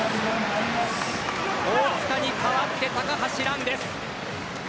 大塚に代わって高橋藍です。